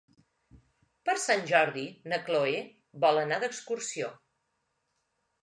Per Sant Jordi na Chloé vol anar d'excursió.